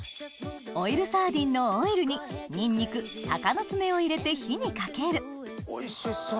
オイルサーディンのオイルにニンニク鷹の爪を入れて火にかけるおいしそう！